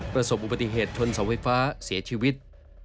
ประสบอุบัติเหตุชนเสาไฟฟ้าเสียชีวิต